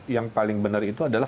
yang paling benar itu adalah